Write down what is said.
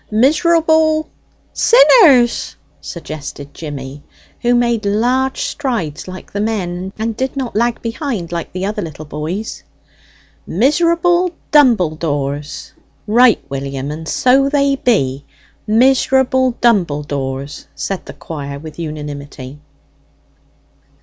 miserable " "Sinners," suggested Jimmy, who made large strides like the men, and did not lag behind like the other little boys. "Miserable dumbledores!" "Right, William, and so they be miserable dumbledores!" said the choir with unanimity.